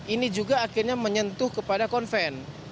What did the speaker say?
ini juga akhirnya menyentuh kepada konven